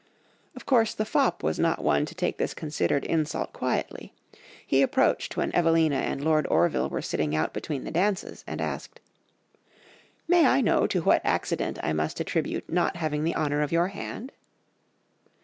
Of course the fop was not one to take this considered insult quietly, he approached when Evelina and Lord Orville were sitting out between the dances, and asked, "'May I know to what accident I must attribute not having the honour of your hand?